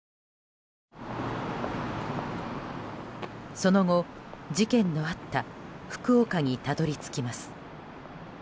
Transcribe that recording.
その後、事件のあった福岡にたどり着きます。